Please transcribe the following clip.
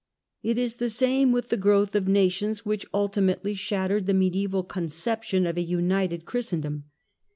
/ It is the same with the growth of nations which ultimately shattered the meaiaival concep \ tion of a united Christendom.